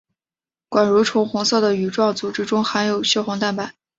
管蠕虫红色的羽状组织中含有血红蛋白。